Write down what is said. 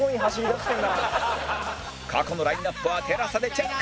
過去のラインアップは ＴＥＬＡＳＡ でチェック！